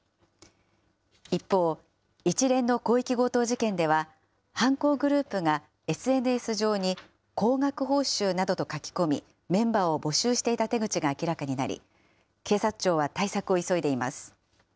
一方、一連の広域強盗事件では、犯行グループがＳＮＳ上に高額報酬などと書き込み、メンバーを募集していた手口が明らかになり、警察庁は対策を急いでいます。